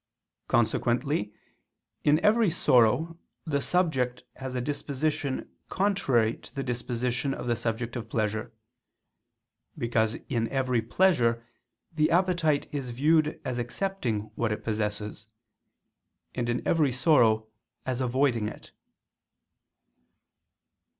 Consequently in every sorrow the subject has a disposition contrary to the disposition of the subject of pleasure: because in every pleasure the appetite is viewed as accepting what it possesses, and in every sorrow, as avoiding it.